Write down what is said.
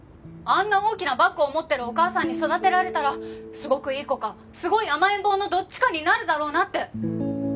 あんな大きなバッグを持ってるお母さんに育てられたらすごくいい子かすごい甘えん坊のどっちかになるだろうなって。